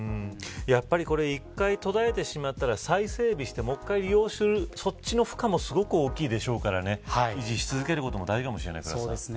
やっぱり１回途絶えてしまったら再整備してもう一回利用するそちらの負荷もすごく大きいでしょうから維持し続けることも大事